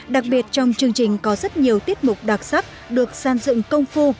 đặc biệt trong chương trình có rất nhiều tiết mục đặc sắc được sàn dựng công phu